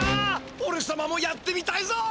おれさまもやってみたいぞ！